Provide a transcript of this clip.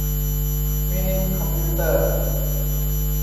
มินิคอมพิวเตอร์